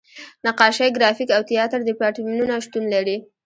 نقاشۍ، ګرافیک او تیاتر دیپارتمنټونه شتون لري.